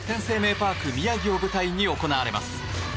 パーク宮城を舞台に行われます。